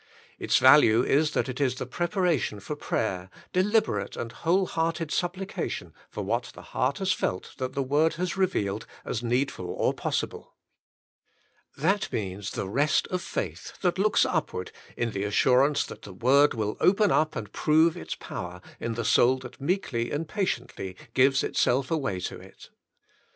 Its value is that it is the preparation for prayer, delib erate and whole hearted supplication for what the heart has felt that the Word has revealed as need ful or possible. That means the rest of faith, that looks upward in the assurance that the Word will open up and prove its power, in the soul that meekly and patiently gives itself away to it.